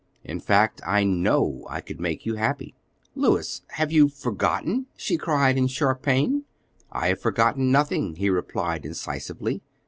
"In fact, I know I could make you happy." "Louis, have you forgotten?" she cried in sharp pain. "I have forgotten nothing," he replied incisively.